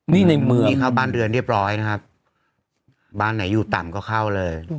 นี่ในมือเข้าบ้านเรือนเรียบร้อยนะครับบ้านไหนอยู่ต่ำก็เข้าเลย